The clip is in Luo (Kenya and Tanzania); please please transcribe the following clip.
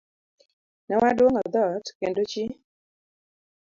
Ne waduong'o dhoot kendo chi